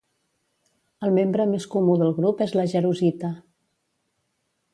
El membre més comú del grup és la jarosita.